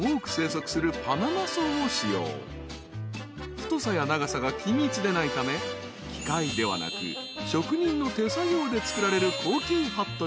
［太さや長さが均一でないため機械ではなく職人の手作業で作られる］